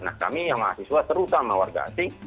nah kami yang mahasiswa terutama warga asing